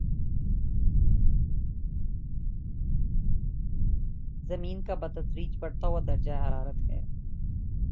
زمین کا بتدریج بڑھتا ہوا درجۂ حرارت ہے